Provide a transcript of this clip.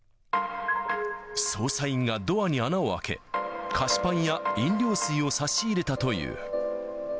捜査員がドアに穴を開け、菓子パンや飲料水を差し入れたという。